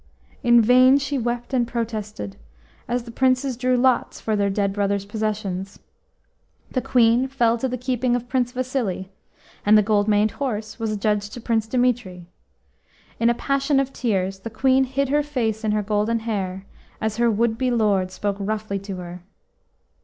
In vain she wept and protested, as the Princes drew lots for their dead brother's possessions. The Queen fell to the keeping of Prince Vasili, and the gold maned horse was adjudged to Prince Dimitri. In a passion of tears, the Queen hid her face in her golden hair, as her would be lord spoke roughly to her.